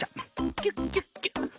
キュッキュッキュッ。